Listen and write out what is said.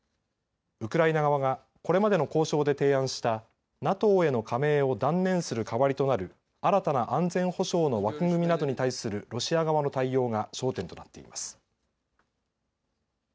ウクライナ側がこれまでの交渉で提案したＮＡＴＯへの加盟を断念する代わりとなる新たな安全保障の枠組みなどに対するロシア側の対応が焦点となっています。